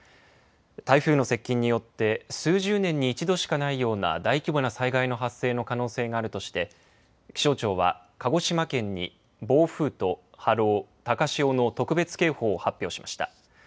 台風の接近によって数十年に一度しかないような大規模な災害の発生の可能性があるとして気象庁は鹿児島県に暴風と波浪高潮の特別警報を発表しました。